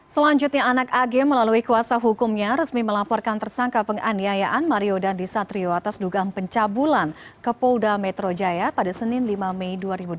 selanjutnya anak ag melalui kuasa hukumnya resmi melaporkan tersangka penganiayaan mario dandisatrio atas dugaan pencabulan ke polda metro jaya pada senin lima mei dua ribu delapan belas